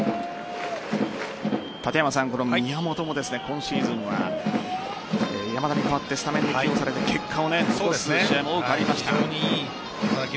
この宮本も今シーズンは山田に代わってスタメンに起用されて結果を残す試合も多くありました。